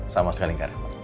sama sekali gak repot